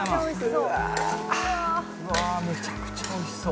「うわあめちゃくちゃ美味しそう」